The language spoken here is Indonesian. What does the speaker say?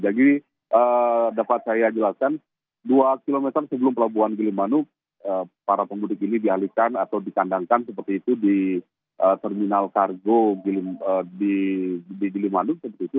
dapat saya jelaskan dua km sebelum pelabuhan gilimanuk para pemudik ini dialihkan atau dikandangkan seperti itu di terminal kargo di gilimanuk seperti itu